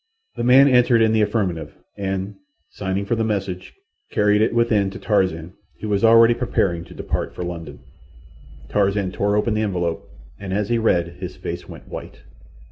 The man answered in the affirmative, and, signing for the message, carried it within to Tarzan, who was already preparing to depart for London. Tarzan tore open the envelope, and as he read his face went white.